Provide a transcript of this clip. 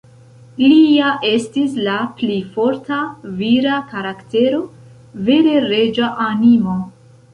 Lia estis la pli forta, vira karaktero; vere reĝa animo.